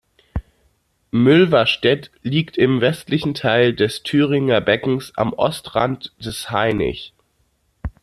Mülverstedt liegt im westlichen Teil des Thüringer Beckens, am Ostrand des Hainich.